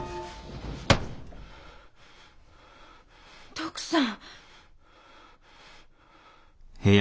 徳さん！